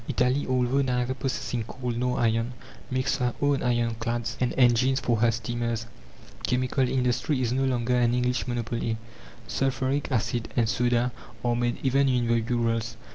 Italy, although neither possessing coal nor iron, makes her own iron clads and engines for her steamers. Chemical industry is no longer an English monopoly; sulphuric acid and soda are made even in the Urals.